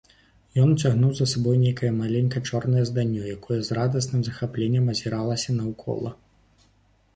Ён уцягнуў за сабой нейкае маленькае чорнае зданнё, якое з радасным захапленнем азіралася наўкола.